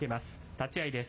立ち合いです。